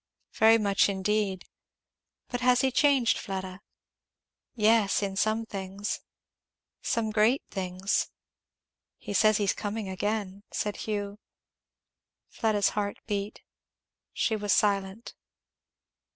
"Very much indeed. But he has changed, Fleda?" "Yes in some things some great things." "He says he is coming again," said Hugh. Fleda's heart beat. She was silent.